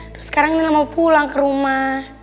terus sekarang ini lo mau pulang kerumah